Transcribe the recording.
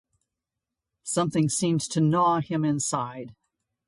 Something seemed to gnaw him inside.